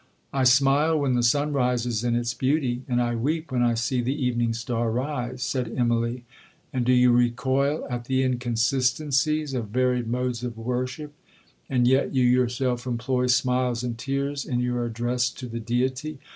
—'I smile when the sun rises in its beauty, and I weep when I see the evening star rise,' said Immalee.—'And do you recoil at the inconsistencies of varied modes of worship, and yet you yourself employ smiles and tears in your address to the Deity?'